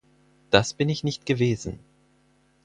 Das bin ich nicht gewesen.